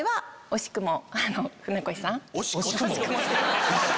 「惜しくも」